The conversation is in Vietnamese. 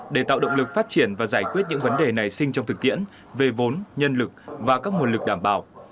để tạo động lực phát triển và giải quyết những vấn đề nảy sinh trong thực tiễn về vốn nhân lực và các nguồn lực đảm bảo